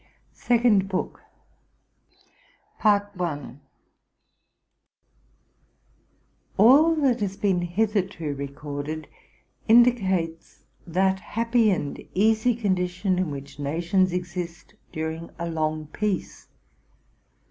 SECOND BOOK. Axx that has been hitherto recorded indicates that happy and easy condition in which nations exist during a long peace.